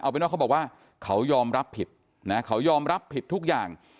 เป็นว่าเขาบอกว่าเขายอมรับผิดนะเขายอมรับผิดทุกอย่าง